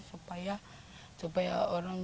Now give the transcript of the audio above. supaya orang berjaya